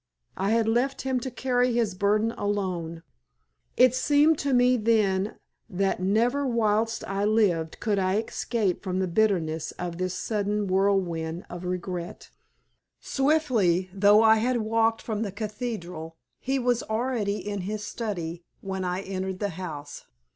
I had left him to carry his burden alone! It seemed to me then that never whilst I lived could I escape from the bitterness of this sudden whirlwind of regret. Swiftly though I had walked from the cathedral, he was already in his study when I entered the house.